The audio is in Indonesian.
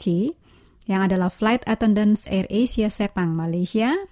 oh sungguh baik di setiap waktu